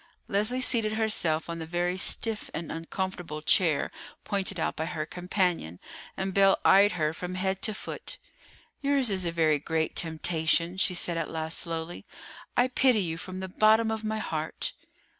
Leslie seated herself on the very stiff and uncomfortable chair pointed out by her companion, and Belle eyed her from head to foot. "Yours is a very great temptation," she said at last slowly. "I pity you from the bottom of my heart."